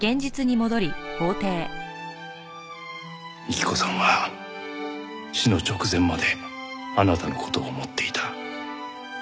幹子さんは死の直前まであなたの事を思っていた。